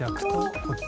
こっち？